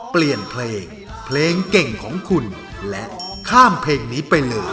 เปลี่ยนเพลงเพลงเก่งของคุณและข้ามเพลงนี้ไปเลย